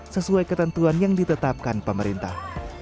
sesuai ketentuan yang ditetapkan pemerintah